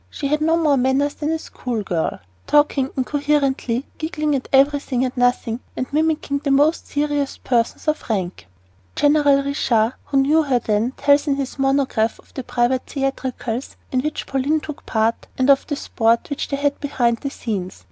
She had no more manners than a school girl talking incoherently, giggling at everything and nothing, and mimicking the most serious persons of rank. General de Ricard, who knew her then, tells in his monograph of the private theatricals in which Pauline took part, and of the sport which they had behind the scenes.